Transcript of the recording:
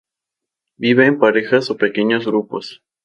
Vive en parejas o pequeños grupos.